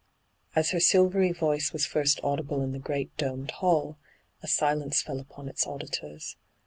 As her silvery voice was first audible in the great domed hall, a silence fell upon its auditors.